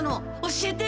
教えて。